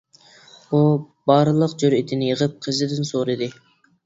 ئۇ بارلىق جۈرئىتىنى يىغىپ قىزدىن سورىدى.